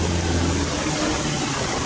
kota yang terkenal dengan